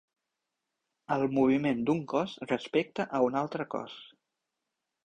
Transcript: El moviment d'un cos respecte a un altre cos.